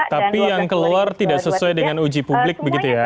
tapi yang keluar tidak sesuai dengan uji publik begitu ya